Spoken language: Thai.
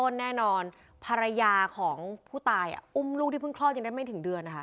พลังโดนแน่นอนภรรยาของผู้ตายอุ้มลูกที่เพิ่งครอบจนได้ไม่ถึงเดือนนะคะ